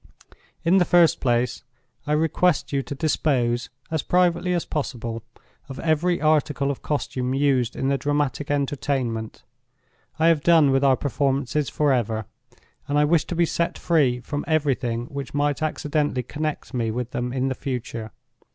"In the first place, I request you to dispose (as privately as possible) of every article of costume used in the dramatic Entertainment. I have done with our performances forever; and I wish to be set free from everything which might accidentally connect me with them in the future.